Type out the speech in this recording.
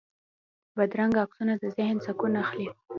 بدرنګه عکسونه د ذهن سکون اخلي